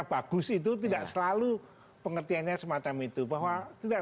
hunting faith kan bagus itu tidak selalu pengertiannya semacam itu bahwa tidak